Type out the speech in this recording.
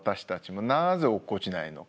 なぜ落っこちないのかがね。